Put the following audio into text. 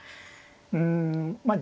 うんまあ